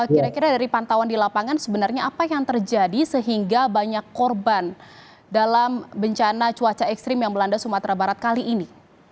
kira kira dari pantauan di lapangan sebenarnya apa yang terjadi sehingga banyak korban dalam bencana cuaca ekstrim yang melanda sumatera barat kali ini